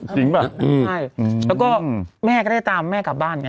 จริงป่ะอืมให้ยืมแล้วก็แม่ก็ได้ตามแม่กลับบ้านไง